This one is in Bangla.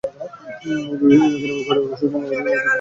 তিনি নিজেই অবস্থার উন্নয়নে নিজেকে শোচনীয়ভাবে অযোগ্য অনুভব করেছিলেন।